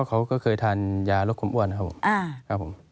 เขาก็เคยทานยาลดความอ้วนครับผม